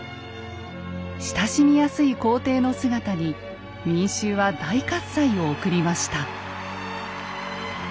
親しみやすい皇帝の姿に民衆は大喝采を送りました。